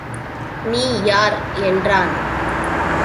நீ யார் என்றான்.